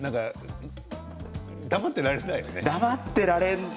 黙ってられないんです。